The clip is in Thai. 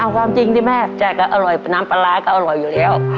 ก็อร่อยอยู่